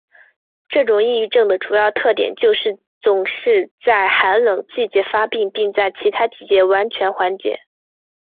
这种抑郁症的主要特点就是总是在寒冷季节发病并在其他季节完全缓解。